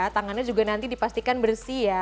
tangannya juga nanti dipastikan bersih ya